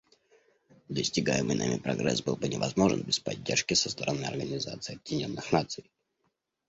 Достигаемый нами прогресс был бы невозможен без поддержки со стороны Организации Объединенных Наций.